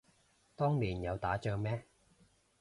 當年有打仗咩